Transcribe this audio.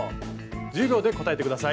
１０秒で答えて下さい。